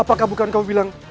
apakah bukan kamu bilang